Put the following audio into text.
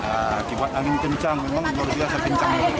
akibat angin kencang memang luar biasa kencang